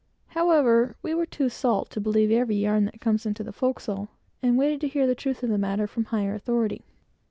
However, we were too salt to believe every yarn that comes into the forecastle, and waited to hear the truth of the matter from higher authority.